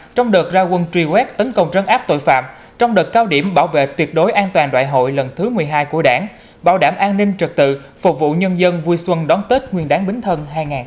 trong đợt ra quân truy quét tấn công trấn áp tội phạm trong đợt cao điểm bảo vệ tuyệt đối an toàn đại hội lần thứ một mươi hai của đảng bảo đảm an ninh trật tự phục vụ nhân dân vui xuân đón tết nguyên đáng bí thân hai nghìn hai mươi bốn